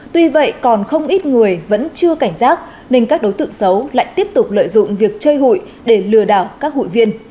tuy vậy còn không ít người vẫn chưa cảnh giác nên các đối tượng xấu lại tiếp tục lợi dụng việc chơi hụi để lừa đảo các hụi viên